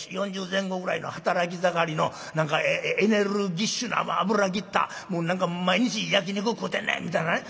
４０前後ぐらいの働き盛りの何かエネルギッシュな脂ぎった毎日焼き肉食うてんねんみたいなね